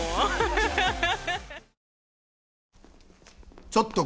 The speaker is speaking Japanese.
ハハハハ！